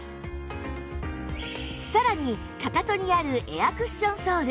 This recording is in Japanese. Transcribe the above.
さらにかかとにあるエアクッションソール